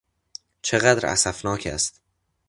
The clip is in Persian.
چقدر اسفناک است!